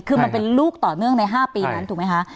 คือมันเป็นลูกต่อเนื่องใน๕ปีนั้นถูกไหมคะ